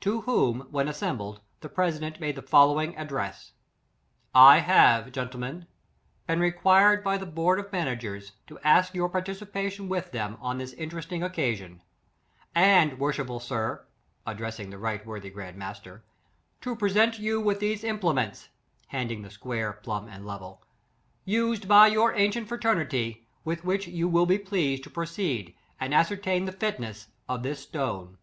To whom, when assem 15 bled, the president made the following ad dress: " I have, gentlemen, been requested by the board of managers, to ask your par ticipation with them on this interesting oc casion; and, worshipful sir, (addressing the R. w. G. Master) to present you with these implements, (handing the square, plumb, and level,) used by your ancient fraternity, with which you will be pleased to proceed and ascertain the fitness of this stone."